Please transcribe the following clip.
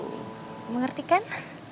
kamu ngerti kan